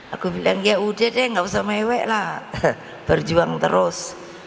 aku bilang ya udah deh gak usah mewek lah berjuang terus